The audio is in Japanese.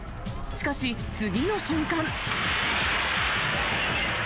しかし、次の瞬間。